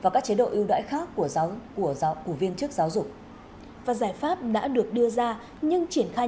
cảm ơn các bạn